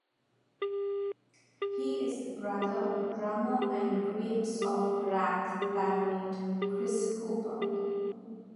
He is the brother of drummer and Grapes of Wrath bandmate Chris Hooper.